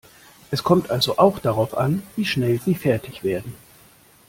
Es kommt also auch darauf an, wie schnell Sie fertig werden.